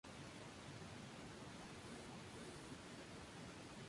Hizo sus estudios de Pintura en la Academia de Bellas Artes de Anhui.